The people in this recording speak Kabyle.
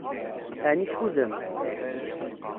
Ɛni tfudem?